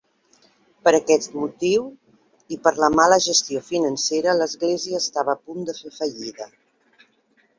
Per aquest motiu i per la mala gestió financera, l'església estava a punt de fer fallida.